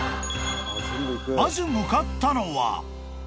［まず向かったのは］